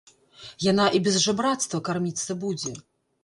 Яна і без жабрацтва карміцца будзе!